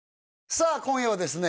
さあ今夜はですね